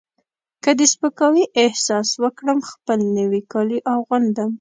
که د سپکاوي احساس وکړم خپل نوي کالي اغوندم.